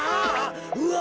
うわ。